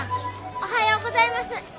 おはようございます。